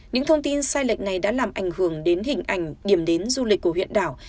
những thông tin sai lệch này đã làm ảnh hưởng đến hình ảnh điểm đến du lịch của huyện đảo